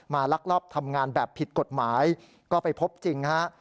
ลักลอบทำงานแบบผิดกฎหมายก็ไปพบจริงฮะ